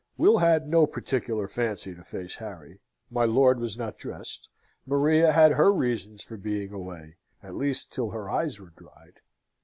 Will had no particular fancy to face Harry, my lord was not dressed, Maria had her reasons for being away, at least till her eyes were dried.